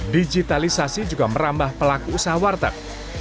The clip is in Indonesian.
digitalisasi juga merambah pelaku usaha warteg